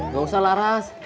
gak usah laras